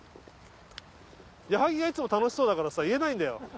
作がいつも楽しそうだからさ言えないんだよ。